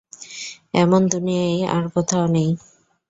এমন দুনিয়ায় আর কোথাও নেই।